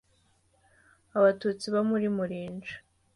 Abatutsi bo muri Murinja